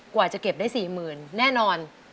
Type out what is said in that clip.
กว่าจะเก็บได้๔๐๐๐แน่นอน